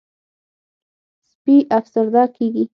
سپي افسرده کېږي.